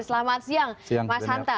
selamat siang mas hanta